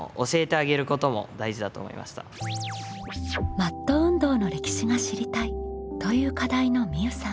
「マット運動の歴史が知りたい」という課題のみうさん。